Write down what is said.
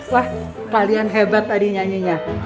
wah kalian hebat tadi nyanyinya